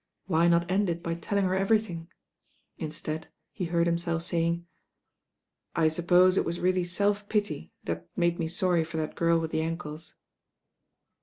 Why not end it by telling her everything. Instead he heard himself saying: "I suppose it was really self pity that made me sorry for that girl with the ankles."